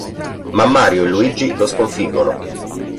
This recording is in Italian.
Ma Mario e Luigi lo sconfiggono.